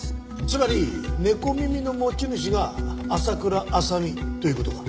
つまり猫耳の持ち主は朝倉亜沙美という事か。